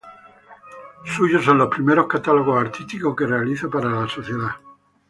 Suyos son los primeros catálogos artísticos que realiza para la sociedad.